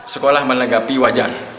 sekolah menegapi wajar